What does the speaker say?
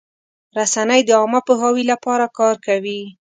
رسنۍ د عامه پوهاوي لپاره کار کوي.